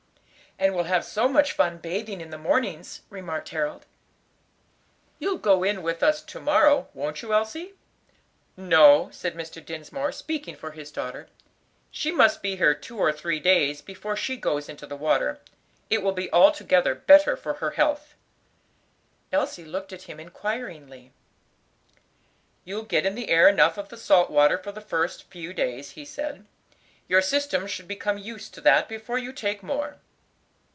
"And we'll have such fun bathing in the mornings," remarked Harold. "You'll go in with us to morrow, won't you, Elsie?" "No," said Mr. Dinsmore, speaking for his daughter; "she must be here two or three days before she goes into the water. It will be altogether better for her health." Elise looked at him inquiringly. "You get in the air enough of the salt water for the first few days," he said. "Your system should become used to that before you take more."